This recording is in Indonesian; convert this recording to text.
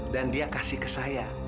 dan dia kasih ke saya